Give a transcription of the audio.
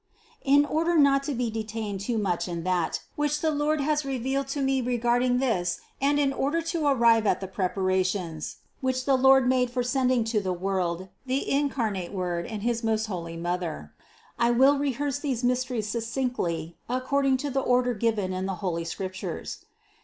147. In order not to be detained too much in that, which the Lord has revealed to me regarding this and in THE CONCEPTION 133 order to arrive at the preparations, which the Lord made for sending to the world the incarnate Word and His most holy Mother, I will rehearse these mysteries suc cinctly according to the order given in the holy Scrip tures.